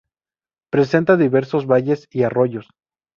Presenta diversos valles y arroyos.